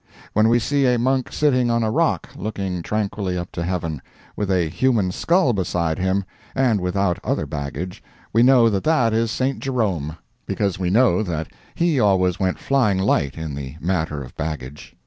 When we see a monk sitting on a rock, looking tranquilly up to heaven, with a human skull beside him, and without other baggage, we know that that is St. Jerome. Because we know that he always went flying light in the matter of baggage.